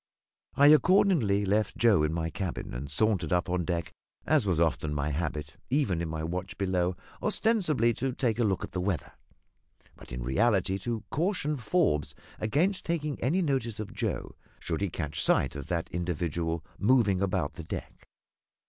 I accordingly left Joe in my cabin, and sauntered up on deck, as was often my habit, even in my watch below, ostensibly to take a look at the weather, but in reality to caution Forbes against taking any notice of Joe, should he catch sight of that individual moving about the deck.